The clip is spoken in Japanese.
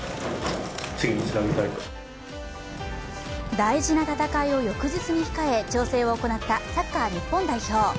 大事な戦いを翌日に控え調整を行ったサッカー日本代表。